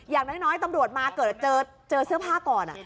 อย่างน้อยตำรวจมาเกิดเจอเสื้อผ้าก่อน